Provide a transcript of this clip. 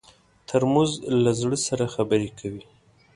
ترموز له زړه سره خبرې کوي.